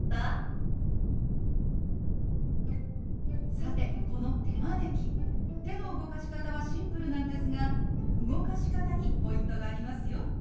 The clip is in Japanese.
さてこの手招き手の動かし方はシンプルなんですが動かし方にポイントがありますよ。